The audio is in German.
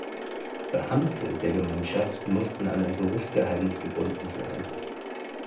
Beamte der Gemeinschaft müssen an ein Berufsgeheimnis gebunden sein.